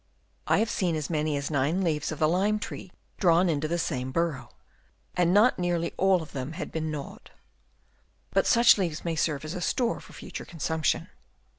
I have seen as many as nine leaves of the lime tree drawn into the same burrow, and not nearly all of them had been gnawed ; but such leaves may serve as a store for future con sumption.